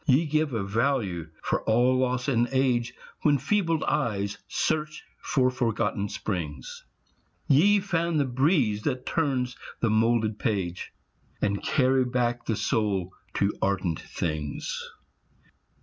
Ye give a value for all loss in age, When feebled eyes search for forgotten springs; Ye fan the breeze that turns the moulded page, And carry back the soul to ardent things.